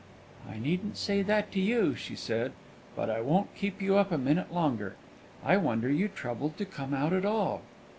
"I needn't say that to you," she said; "but I won't keep you up a minute longer. I wonder you troubled to come out at all."